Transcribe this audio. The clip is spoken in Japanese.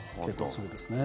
そうですね。